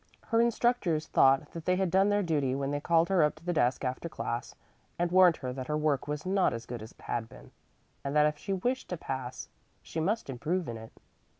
Her instructors thought that they had done their duty when they called her up to the desk after class and warned her that her work was not as good as it had been, and that if she wished to pass she must improve in it.